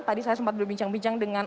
tadi saya sempat berbincang bincang dengan